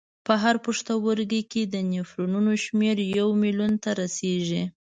په هر پښتورګي کې د نفرونونو شمېر یو میلیون ته رسېږي.